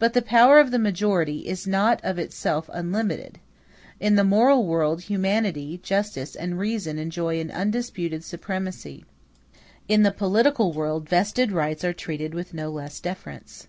But the power of the majority is not of itself unlimited. In the moral world humanity, justice, and reason enjoy an undisputed supremacy; in the political world vested rights are treated with no less deference.